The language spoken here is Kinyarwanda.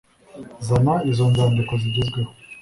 Zana izo nzandiko zigezweho